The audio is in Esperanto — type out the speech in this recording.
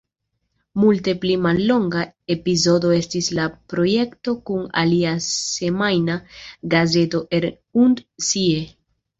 Multe pli mallonga epizodo estis la projekto kun alia semajna gazeto, "Er und Sie.